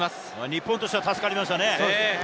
日本としては助かりましたね。